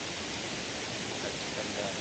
خو حقیقت دا دی